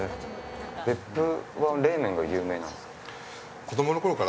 別府は冷麺が有名なんですか？